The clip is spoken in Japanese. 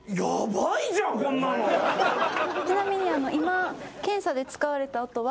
ちなみに今検査で使われた音は。